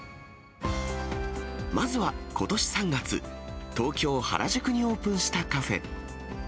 まずは、ことし３月、東京・原宿にオープンしたカフェ。